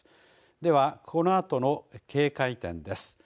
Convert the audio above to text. では、このあとの警戒点です。